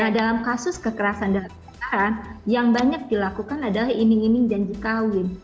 dalam kasus kekerasan dalam keadaan yang banyak dilakukan adalah iming iming janji kawin